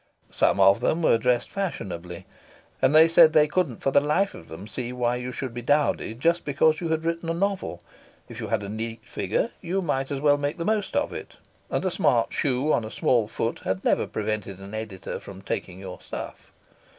Some of them were dressed fashionably, and they said they couldn't for the life of them see why you should be dowdy just because you had written a novel; if you had a neat figure you might as well make the most of it, and a smart shoe on a small foot had never prevented an editor from taking your "stuff."